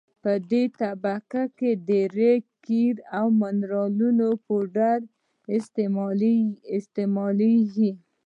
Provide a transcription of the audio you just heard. په دې طبقه کې ریګ قیر او منرالي پوډر استعمالیږي